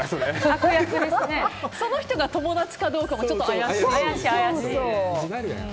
その人が友達かどうかもちょっと怪しいですよね。